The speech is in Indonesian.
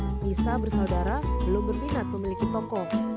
anissa bersaudara belum berminat memiliki toko